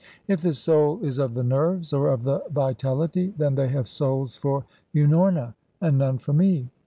If the soul is of the nerves or of the vitality, then they have souls for Unorna, and none for me.